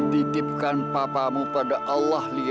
ditipkan papamu pada allah leah